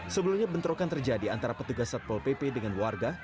sebelumnya bentrokan terjadi antara petugas satpol pp dengan warga